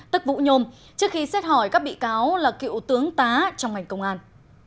tức vũ nhôm trước khi xét hỏi các bị cáo là cựu tướng tá trong ngành công an